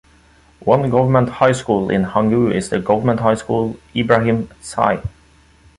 One government high school in Hangu is the Government High School Ibrahim Zai.